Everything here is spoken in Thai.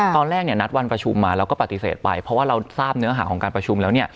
ตอนแรกนัดวันประชุมมาเราก็ปฏิเสธไปเพราะว่าเราทราบเนื้อหาของการประชุมแล้ว